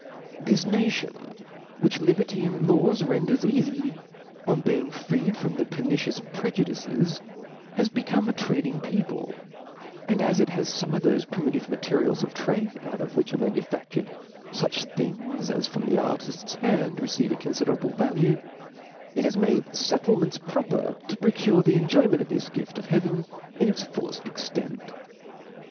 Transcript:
This nation, which liberty and the laws render eafy, on being freed from pernicious prejudices, is become a trading people ; and as it has fome of thofe primitive materials of trade, out of which are manufa£tured fuch things as from the artift's hand receive a confiderable value, it has made fettlements proper to procure the enjoyment of this gift of heaven in its fulleft extent.